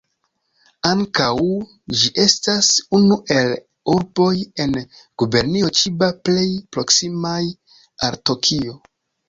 Ankaŭ ĝi estas unu el urboj en Gubernio Ĉiba plej proksimaj al Tokio.